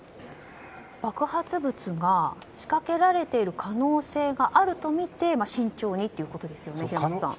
爆発物が仕掛けられている可能性があるとみて、慎重にということですよね、平松さん。